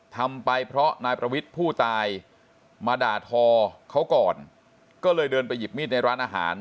ทำไปเพราะนายประวิทย์ผู้ตายมาด่าทอเขาก่อนก็เลยเดินไปหยิบมีดในร้านอาหาร